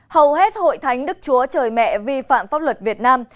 hầu hết hội thánh đức chúa trời mẹ vi phạm pháp luật việt nam